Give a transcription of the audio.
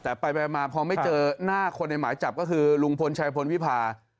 แต่ไปมาพอไม่เจอหน้าคนในหมายจับก็คือลุงพลชายพลวิพา